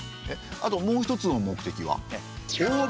えっあともう一つの目的は？